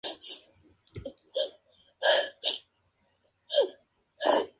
Es la primera novela histórica de Twain.